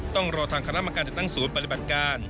ต้องรอทางคณะกรรมการจัดตั้งศูนย์ปฏิบัติการ